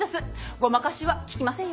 ごまかしは利きませんよ。